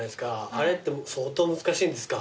あれって相当難しいんですか？